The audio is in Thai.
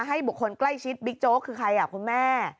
ให้บุคคลใกล้ชิดบิ๊กโจ๊กคือใครคุณแม่